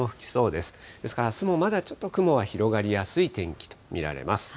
ですから、あすもまだちょっと雲は広がりやすい天気と見られます。